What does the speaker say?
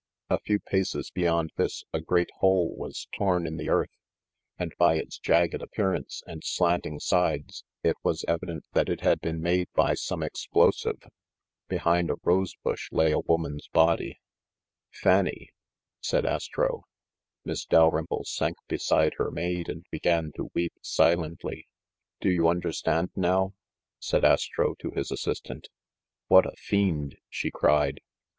A few pac'es beyond this a great hole was torn in the earth, and, by its jagged appearance and slanting sides, it was evident that it had been made by some explosive. Behind a rose bush lay a woman's body. MISS DALRYMPLE'S LOCKET 163 "Fanny," said Astro. Miss Dalrymple sank beside her maid and began to weep silently. "Do you understand now?" said Astro to his as sistant. "What a fiend !" she cried.